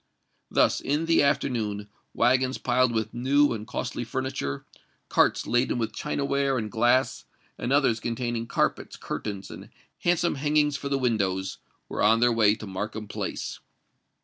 Thus, in the afternoon, waggons piled with new and costly furniture, carts laden with chinaware and glass, and others containing carpets, curtains, and handsome hangings for the windows, were on their way to Markham Place.